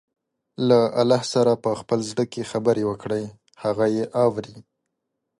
له الله سره په خپل زړه کې خبرې وکړئ، هغه يې اوري.